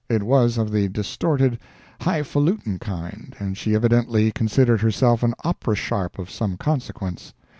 It was of the distorted, hifalutin kind, and she evidently considered herself an opera sharp of some consequence.